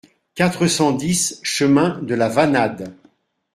quatre cent dix chemin de la Vanade